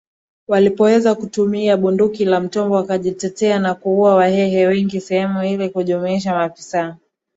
walipoweza kutumia bunduki la mtombo wakajitetea na kuua Wahehe wengi Sehemu hii ilijumlisha maafisa